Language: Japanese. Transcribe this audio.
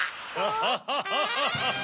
ハハハハ！